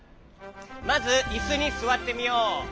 まずいすにすわってみよう。